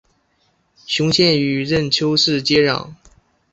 雄县与任丘市接壤。